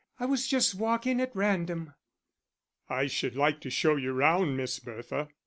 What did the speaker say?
"I was just walking at random." "I should like to show you round, Miss Bertha."